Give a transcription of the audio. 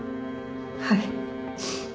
はい。